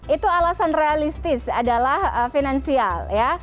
itu alasan realistis adalah finansial